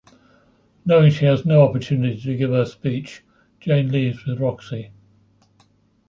Knowing she has no opportunity to give her speech, Jane leaves with Roxy.